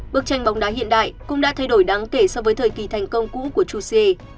bức tranh bóng đá hiện đại cũng đã thay đổi đáng kể so với thời kỳ thành công cũ của chuse